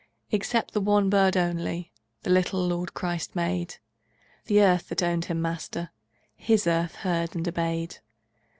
Except the one bird only The little Lord Christ made; The earth that owned Him Master, His earth heard and obeyed.